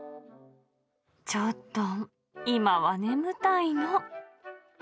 ちょっと、今は眠たいの。